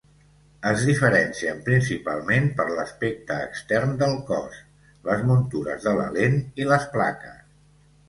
Es diferencien principalment per l'aspecte extern del cos, les muntures de la lent i les plaques.